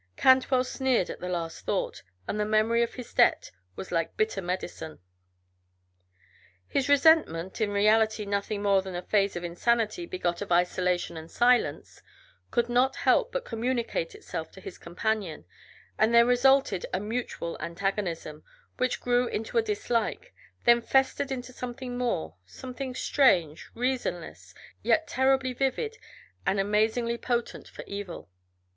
Cantwell sneered at the last thought, and the memory of his debt was like bitter medicine. His resentment in reality nothing more than a phase of insanity begot of isolation and silence could not help but communicate itself to his companion, and there resulted a mutual antagonism, which grew into a dislike, then festered into something more, something strange, reasonless, yet terribly vivid and amazingly potent for evil.